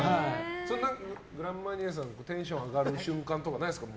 グランマニエさんがテンション上がる瞬間ないですか。